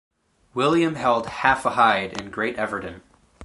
William held half a hide in Great Everdon.